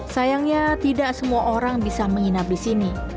sayangnya tidak semua orang bisa menginap di sini